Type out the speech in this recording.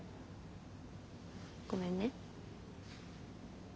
ごめんね。